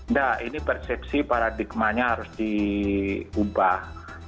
enggak ini persepsi paradigmanya harus diubah